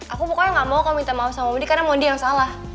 aku pokoknya nggak mau kamu minta maaf sama mondi karena mondi yang salah